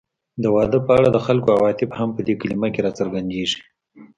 د واده په اړه د خلکو عواطف هم په دې کلمه کې راڅرګندېږي